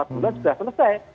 empat bulan sudah selesai